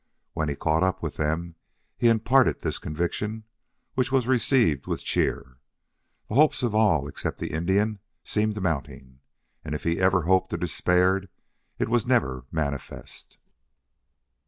When he caught up with them he imparted this conviction, which was received with cheer. The hopes of all, except the Indian, seemed mounting; and if he ever hoped or despaired it was never manifest.